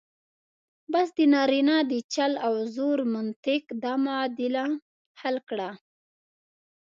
بس د نارینه د چل او زور منطق دا معادله حل کړه.